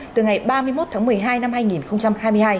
từ ngày ba mươi một tháng một mươi hai năm hai nghìn hai mươi hai